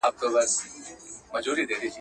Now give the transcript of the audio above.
ټولي نړۍ ته کرونا ببر یې!